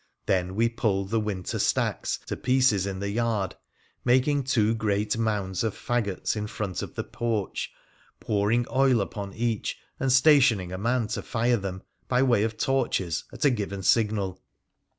Then we pulled the winter stackg PHRA THE PHCENICIAN 57 to pieces in the yard, making two great mounds of faggots in front of the porch, pouring oil upon each, and stationing a man to fire them, by way of torches, at a given signal.